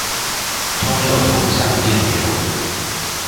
通有同向的電流